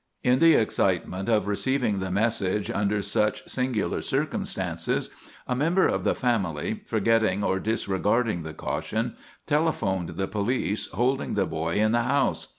In the excitement of receiving the message under such singular circumstances a member of the family, forgetting or disregarding the caution, telephoned the police, holding the boy in the house.